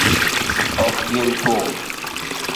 Ok gin thum.